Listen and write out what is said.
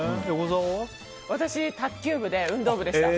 私、卓球部で運動部でした。